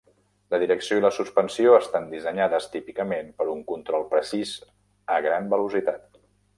La direcció i la suspensió estan dissenyades típicament per un control precís a gran velocitat.